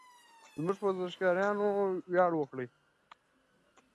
زموږ په ورزشکارانو ویاړ وکړئ.